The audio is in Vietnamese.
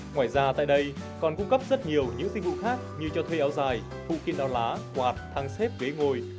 ngoài ra tại đây còn cung cấp rất nhiều những sinh vụ khác như cho thuê áo dài phụ kiên đao lá quạt thang xếp ghế ngồi